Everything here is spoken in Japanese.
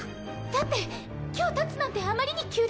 だって今日たつなんてあまりに急で。